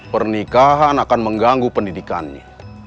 pernikahan akan mengganggu pendidikannya